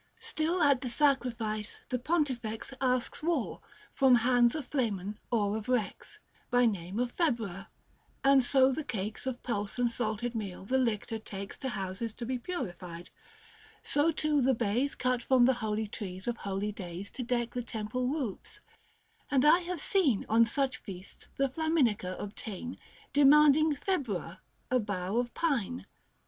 Still at the sacrifice the Pontifex 5 Asks wool, from hands of Flamen or of Kex, By name of Februa : and so the cakes Of pulse and salted meal the Lictor takes To houses to be purified : so too the bays Cut from the holy trees of holy days 10 To deck the temple roofs : and I have seen On such feasts, the Flaminica obtain, Demanding Februa, a bough of pine.